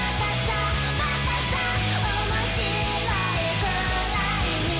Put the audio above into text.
「おもしろいくらいに」